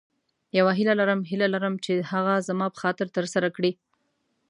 یوه هیله لرم هیله لرم چې هغه زما په خاطر تر سره کړې.